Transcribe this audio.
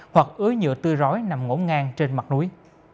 hoặc ưới nhựa tư rối nằm ngổ ngang trên mặt núi